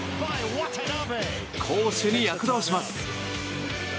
攻守に躍動します。